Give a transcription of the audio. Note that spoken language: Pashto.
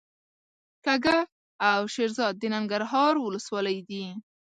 کږه او شیرزاد د ننګرهار ولسوالۍ دي.